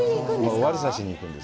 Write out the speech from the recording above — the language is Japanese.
悪さしに行くんです。